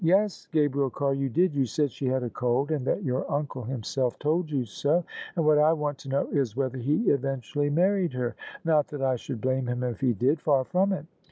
" Yes, Gabriel Carr, you did : you said she had a cold, and that your uncle himself told you so; and what I want to know is, whether he eventually married her. Not that I should blame him if he did: far from it!